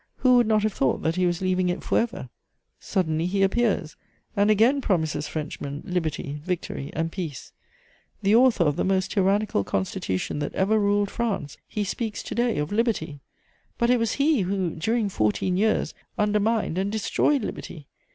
Who would not have thought that he was leaving it for ever? Suddenly he appears, and again promises Frenchmen liberty, victory and peace. The author of the most tyrannical Constitution that ever ruled France, he speaks to day of liberty! But it was he who, during fourteen years, undermined and destroyed liberty.